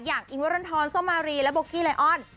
อย่างอิงโวลนทอนสโมรีและบุกกี้ลายออน